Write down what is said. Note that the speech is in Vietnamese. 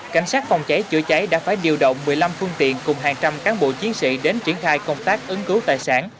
cảnh sát phòng cháy chữa cháy đã phải điều động một mươi năm phương tiện cùng hàng trăm cán bộ chiến sĩ đến triển khai công tác ứng cứu tài sản